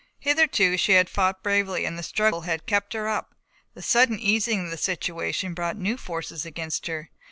Hitherto she had fought bravely and the struggle had kept her up; the sudden easing of the situation had brought new forces against her.